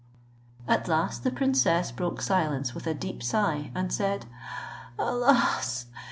At last the princess broke silence with a deep sigh, and said, "Alas!